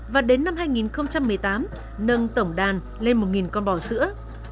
và đến năm hai nghìn một mươi tám nâng tổng đàn lên một con bò sữa